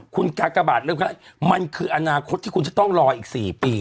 คุณกากบาทมันคืออนาคตที่คุณจะต้องรออีก๔ปีเนี่ย